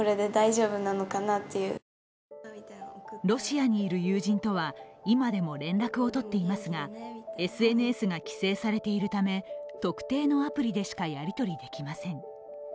ロシアにいる友人とは今でも連絡を取っていますが、ＳＮＳが規制されているため特定のアプリでしかやり取りできません。